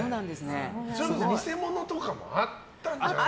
それこそ偽物とかもあったんじゃないかな。